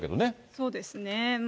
そうですね。